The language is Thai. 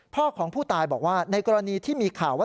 พ่อของผู้ตายบอกว่าในกรณีที่มีข่าวว่า